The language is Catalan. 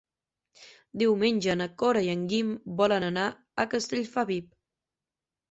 Diumenge na Cora i en Guim volen anar a Castellfabib.